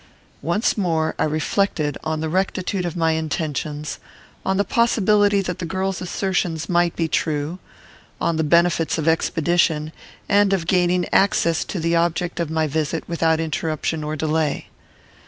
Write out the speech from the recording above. Once more I reflected on the rectitude of my intentions, on the possibility that the girl's assertions might be true, on the benefits of expedition, and of gaining access to the object of my visit without interruption or delay.